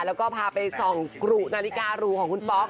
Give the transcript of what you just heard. แล้วก็พาไปส่องกรุนาฬิการูของคุณป๊อก